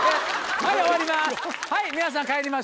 はい終わります